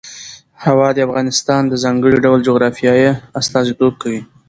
هوا د افغانستان د ځانګړي ډول جغرافیه استازیتوب کوي.